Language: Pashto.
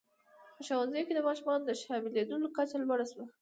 په ښوونځیو کې د ماشومانو د شاملېدو کچه لوړه شوه.